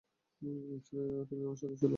সুতরাং তুমি আমার সাথে চল।